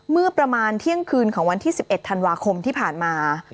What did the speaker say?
เมื่อประมาณเที่ยงคืนของวันที่๑๑ธันวาคมที่ผ่านมา